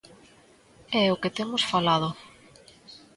É o que temos falado.